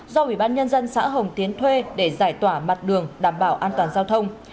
do ủy ban nhân dân xã hồng tiến thuê để giải tỏa mặt đường đảm bảo an toàn giao thông